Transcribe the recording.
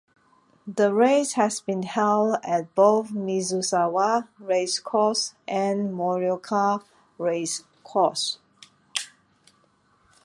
The race has been held at both Mizusawa Racecourse and Morioka Racecourse.